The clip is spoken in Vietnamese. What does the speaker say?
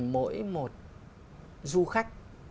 mỗi một du khách